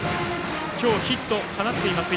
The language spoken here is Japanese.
今日ヒットを１本放っています。